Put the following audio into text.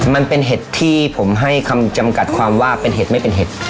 มันเป็นเห็ดที่ผมให้คำจำกัดความว่าเป็นเห็ดไม่เป็นเห็ด